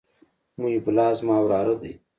محب الله زما وراره دئ.